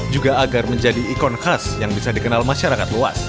juga agar menjadi ikon khas yang bisa dikenal masyarakat luas